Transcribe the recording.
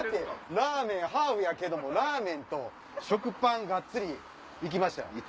ラーメンハーフやけどもラーメンと食パンがっつり行きましたやん。